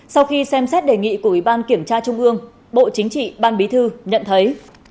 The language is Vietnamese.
sau khi xem xét đề nghị của ủy ban kiểm tra trung ương bộ chính trị ban bí thư nhận thấy